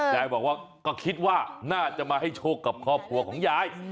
ยายบอกว่าก็คิดว่าน่าจะมาให้โชคกับครอบครัวของยาย